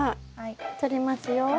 とりますよ。